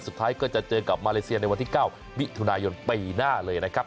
สุดท้ายก็จะเจอกับมาเลเซียในวันที่๙มิถุนายนปีหน้าเลยนะครับ